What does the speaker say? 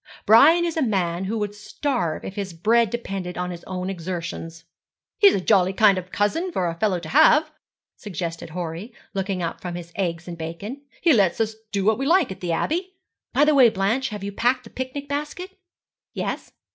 Brian is a man who would starve if his bread depended on his own exertions.' 'He's a jolly kind of cousin for a fellow to have,' suggested Horry, looking up from his eggs and bacon. 'He lets us do what we like at the Abbey. By the way, Blanche, have you packed the picnic basket?' 'Yes.'